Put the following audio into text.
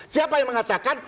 siapa yang mengatakan